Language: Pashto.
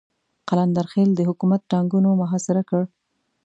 قلندر خېل د حکومت ټانګونو محاصره کړ.